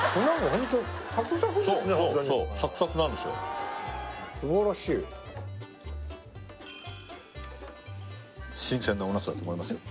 ホントにそうそうそうサクサクなんですよ素晴らしい新鮮なおナスだと思いますよ